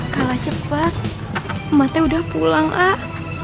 kalah cepat matanya udah pulang ah